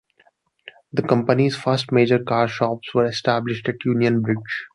The company's first major car shops were established at Union Bridge.